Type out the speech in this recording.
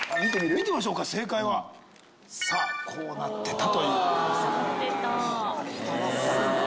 見てみましょうか正解はさあこうなってたということです